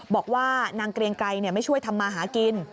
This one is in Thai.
บอกว่านางเกรียงไกรไม่ช่วยทำมาหากิน